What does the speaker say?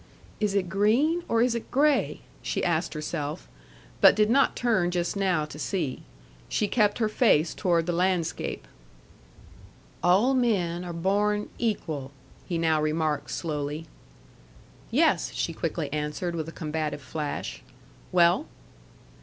"Is it green, or is it gray?" she asked herself, but did not turn just now to see. She kept her face toward the landscape. "All men are born equal," he now remarked slowly. "Yes," she quickly answered, with a combative flash. "Well?"